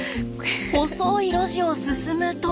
細い路地を進むと。